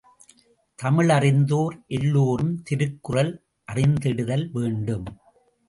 தமிழறிந்தோர் எல்லோரும் திருக்குறள் அறிந்திடுதல் வேண்டும்.